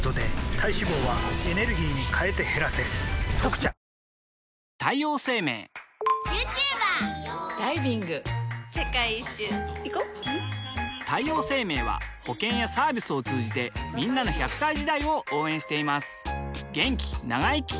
女性 ２） 世界一周いこ太陽生命は保険やサービスを通じてんなの１００歳時代を応援しています